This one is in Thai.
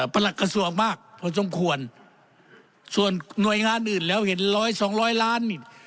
หลักกระทรวงมากพอสมควรส่วนหน่วยงานอื่นแล้วเห็นร้อยสองร้อยล้านนี่